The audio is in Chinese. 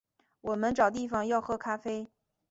我们找地方要喝咖啡